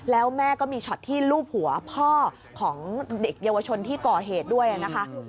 แล้วแม่ก็มีช็อตที่ลูบหัวพ่อของเด็กเยาวชนที่ก่อเหตุด้วยนะคะ